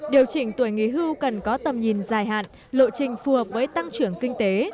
điều chỉnh tuổi nghỉ hưu cần có tầm nhìn dài hạn lộ trình phù hợp với tăng trưởng kinh tế